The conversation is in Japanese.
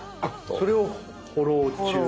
それをフォロー中。